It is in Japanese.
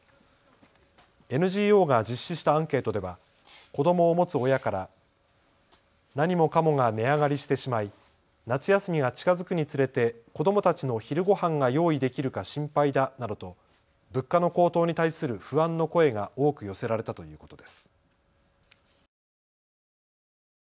ＮＧＯが実施したアンケートでは子どもを持つ親から何もかもが値上がりしてしまい、夏休みが近づくにつれて子どもたちの昼ごはんが用意できるか心配だなどと物価の高騰に対する不安の声が多く寄せられたということです。